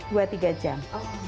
dua tiga jam